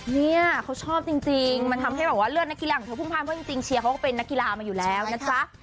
เนี่ยเขาชอบจริงมันทำให้แบบว่าเลือดนักกีฬาของเธอพุ่งพันเพราะจริงเชียร์เขาก็เป็นนักกีฬามาอยู่แล้วนะจ๊ะ